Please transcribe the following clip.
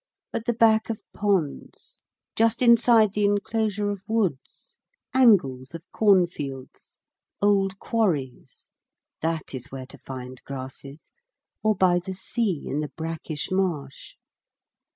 At the back of ponds, just inside the enclosure of woods, angles of corn fields, old quarries, that is where to find grasses, or by the sea in the brackish marsh.